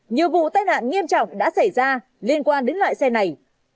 nhiều vụ tai nạn nghiêm trọng đã xảy ra liên quan đến loại xe này